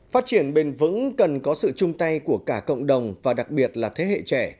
phát triển bền vững cần có sự chung tay của cả cộng đồng và đặc biệt là thế hệ trẻ